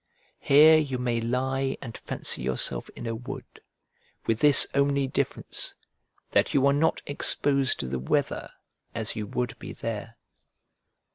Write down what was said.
Here you may lie and fancy yourself in a wood, with this only difference, that you are not exposed to the weather as you would be there.